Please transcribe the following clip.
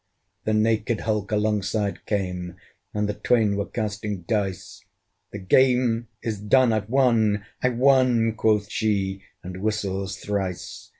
The naked hulk alongside came, And the twain were casting dice; "The game is done! I've won! I've won!" Quoth she, and whistles thrice.